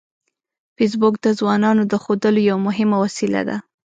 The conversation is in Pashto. فېسبوک د ځوانانو د ښودلو یوه مهمه وسیله ده